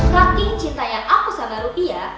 raking cintanya aku sama rupiah